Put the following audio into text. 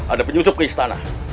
ada penyusup ke istana